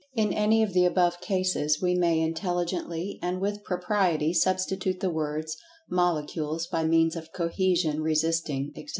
In any of the above cases, we may intelligently, and with propriety, substitute the words, "Molecules, by means of cohesion, resisting, etc.